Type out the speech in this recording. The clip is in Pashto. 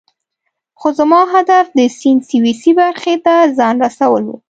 خو زما هدف د سیند سویسی برخې ته ځان رسول وو.